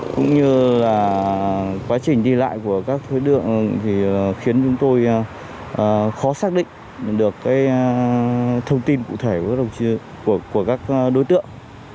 cũng như là quá trình đi lại của các đối tượng thì khiến chúng tôi khó xác định được thông tin cụ thể của các đối tượng